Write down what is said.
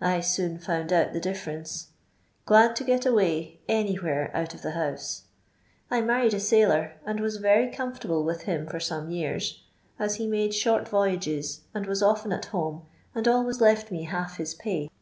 I soon found out the difference. Glad to get away, anywhere out of the house, I married a sailor, and was very comfortable with him for some years ; as he made short voyages, and was often at home, and always left me half his pay.